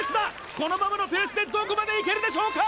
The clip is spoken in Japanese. このままのペースでどこまでいけるでしょうか